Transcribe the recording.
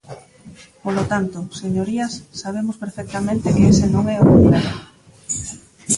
Polo tanto, señorías, sabemos perfectamente que ese non é o problema.